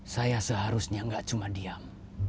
saya seharusnya enggak cuma diam